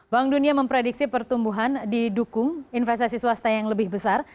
bank dunia memprediksi pertumbuhan didukung investasi swasta yang lebih besar